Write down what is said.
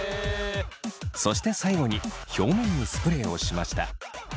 そして最後に表面にスプレーをしました。